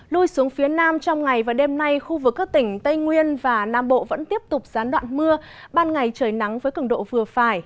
lui xuống phía nam trong ngày và đêm nay khu vực các tỉnh tây nguyên và nam bộ vẫn tiếp tục gián đoạn mưa ban ngày trời nắng với cứng độ vừa phải